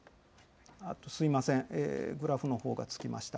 すみません、グラフのほうがつきました。